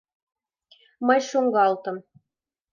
Мый шуҥгалтым.